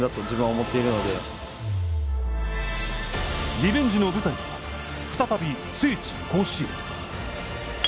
リベンジの舞台は再び、聖地・甲子園。